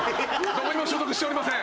どこにも所属しておりません。